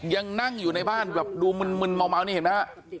ยังนั่งอยู่ในบ้านแบบดูมึนเมานี่เห็นไหมฮะ